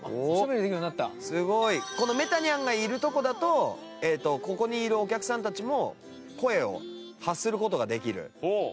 このメタニャンがいるとこだとここにいるお客さんたちも声を発する事ができる。